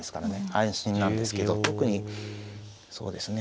安心なんですけど特にそうですね。